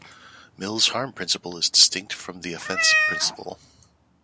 Mill's harm principle is distinct from the offence principle.